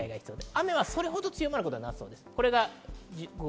雨は強まることはなさそうです。